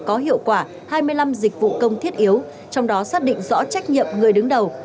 có hiệu quả hai mươi năm dịch vụ công thiết yếu trong đó xác định rõ trách nhiệm người đứng đầu